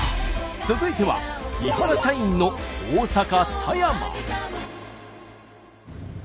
続いては伊原社員の大阪狭山。